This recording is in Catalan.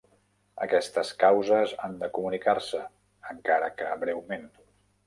Aquestes causes han de comunicar-se, encara que breument.